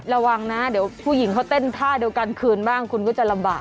ระวังนะเดี๋ยวผู้หญิงเขาเต้นท่าเดียวกันคืนบ้างคุณก็จะลำบาก